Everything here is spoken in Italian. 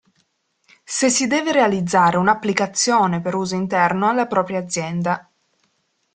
Se si deve realizzare un'applicazione per uso interno alla propria azienda.